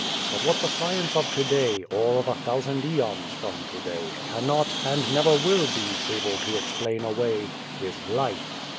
But what the science of to day, or 99 The Face of a thousand aeons from to day, cannot, and never will be, able to explain away, is life.